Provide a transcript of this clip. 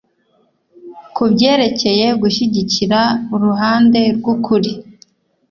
Ku byerekeye gushyigikira uruhande rw'ukuri